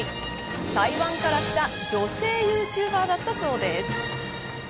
台湾から来た女性ユーチューバーだったそうです。